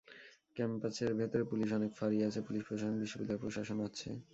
ক্যাম্পাসের ভেতরে পুলিশের অনেক ফাঁড়ি আছে, পুলিশ প্রশাসন, বিশ্ববিদ্যালয় প্রশাসন আছে।